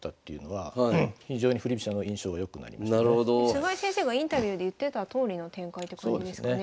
菅井先生がインタビューで言ってたとおりの展開って感じですかね。